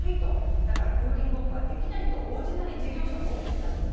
だからクーリング・オフはできないと応じない事業者も多くいたんです。